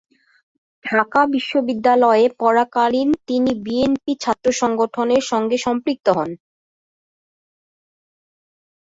ঢাকা বিশ্ববিদ্যালয়ে পড়াকালীন তিনি বিএনপি ছাত্র সংগঠনের সাথে সম্পৃক্ত হন।